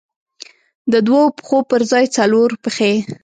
د دوو پښو پر ځای څلور پښې.